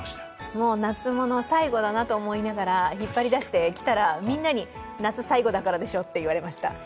もう夏物、最後だなと思いながら引っ張り出して着たらみんなに、夏最後だからでしょうって言われました。